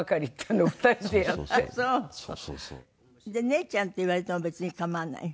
「姉ちゃん」って言われても別に構わない？